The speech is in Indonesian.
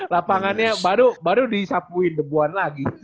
lapangannya baru disapuin debuan lagi